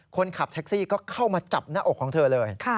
คนขับแท็กซี่ก็เข้ามาจับหน้าอกของเธอเลย